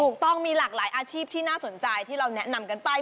ถูกต้องมีหลากหลายอาชีพที่น่าสนใจที่เราแนะนำกันไป